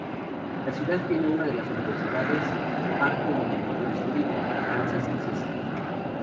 La ciudad tiene una de las universidades parte del University of Arkansas System.